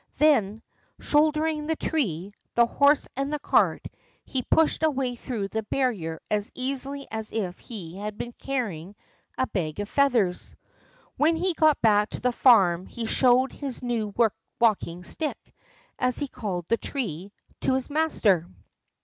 Then, shouldering the tree, the horse and the cart, he pushed a way through the barrier as easily as if he had been carrying a bag of feathers. When he got back to the farm he showed his new walking stick, as he called the tree, to his master.